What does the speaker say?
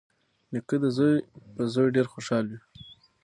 نیکه د زوی په زوی ډېر خوشحال وي.